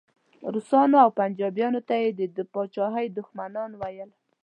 روسانو او پنجابیانو ته یې د پاچاهۍ دښمنان ویل.